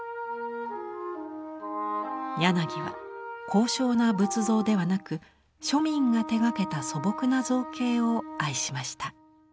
柳は高尚な仏像ではなく庶民が手がけた素朴な造形を愛しました。